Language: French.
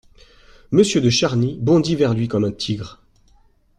Monsieur de Charny bondit vers lui comme un tigre.